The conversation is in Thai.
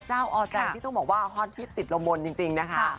เจ้าออจังที่ต้องบอกว่าฮอตที่สิบลมมนต์จริงนะคะ